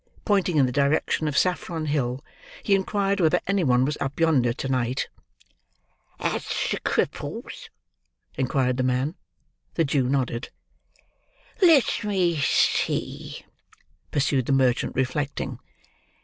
Pointing in the direction of Saffron Hill, he inquired whether any one was up yonder to night. "At the Cripples?" inquired the man. The Jew nodded. "Let me see," pursued the merchant, reflecting.